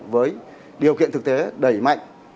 với điều kiện thực tế đẩy mạnh